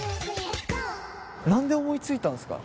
何で思いついたんですか？